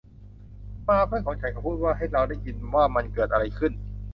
มา เพื่อนของฉัน เขาพูดว่า ให้เราได้ยินว่ามันเกิดอะไรขึ้น !